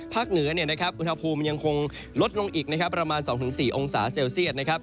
เหนืออุณหภูมิยังคงลดลงอีกนะครับประมาณ๒๔องศาเซลเซียตนะครับ